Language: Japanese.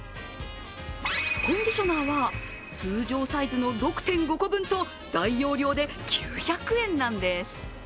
コンディショナーは通常サイズの６．５個分と大容量で９００円なんです。